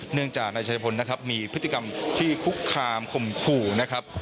เนื่องจากนายชายพลนะครับมีพฤติกรรมที่คุกคามข่มขู่นะครับ